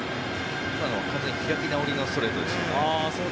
今のは完全に開き直りのストレートですね。